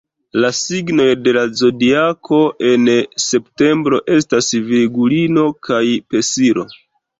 La signoj de la Zodiako en septembro estas Virgulino kaj Pesilo.